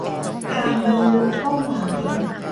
การบรรลุเป้าหมาย